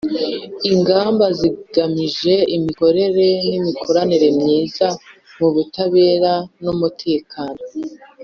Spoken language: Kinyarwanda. ingamba zigamije imikorere n'imikoranire myiza mu butabera n'umutekano